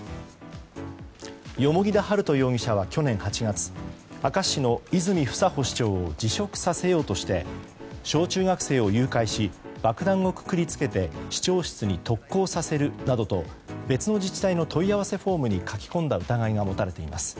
蓬田治都容疑者は去年８月明石市の泉房穂市長を辞職させようとして小中学生を誘拐し爆弾をくくり付けて市長室に特攻させるなどと別の自治体の問い合わせフォームに書き込んだ疑いが持たれています。